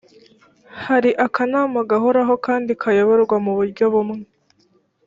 hari akanama gahoraho kandi kayoborwa mu buryo bumwe